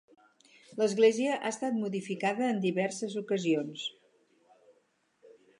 L'església ha estat modificada en diverses ocasions.